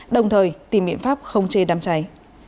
đồng thời tìm biện pháp không chê đám cháy